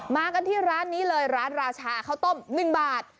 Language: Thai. มากันที่ร้านนี้เลยร้านราชาข้าวต้ม๑บาท